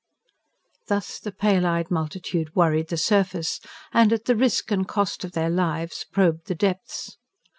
Thus the pale eyed multitude worried the surface, and, at the risk and cost of their lives, probed the depths.